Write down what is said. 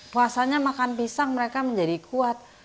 puasanya makan pisang mereka menjadi kuat